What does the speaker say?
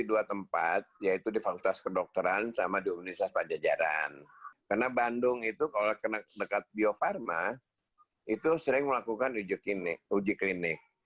uji klinis itu sering melakukan uji klinis